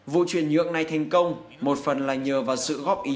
vụ chuyển nhượng này thành công một phần là nhờ vào sự góp ý của pochettino